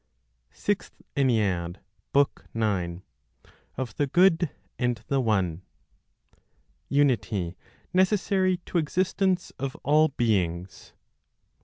SIXTH ENNEAD, BOOK NINE. Of the Good and the One. UNITY NECESSARY TO EXISTENCE OF ALL BEINGS. 1.